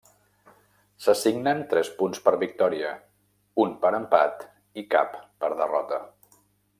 S'assignen tres punts per victòria, un per empat i cap per derrota.